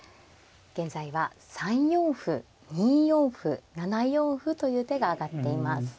現在は３四歩２四歩７四歩という手が挙がっています。